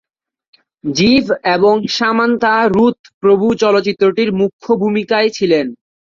জীব এবং সামান্থা রুথ প্রভু চলচ্চিত্রটির মুখ্য ভূমিকায় ছিলেন।